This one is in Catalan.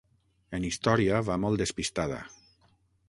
En història va molt despistada.